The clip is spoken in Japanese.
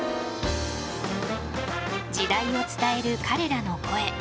時代を伝える彼らの声。